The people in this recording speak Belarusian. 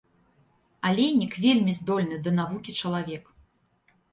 Алейнік вельмі здольны да навукі чалавек.